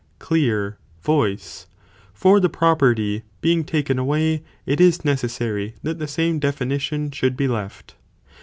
clear) voice; for the property being taken away, it is necessary that the same * Asofthe definition should be left.